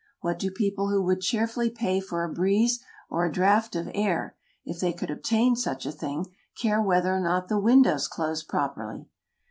What do people who would cheerfully pay for a breeze or a draught of air, if they could obtain such a thing, care whether or not the windows close properly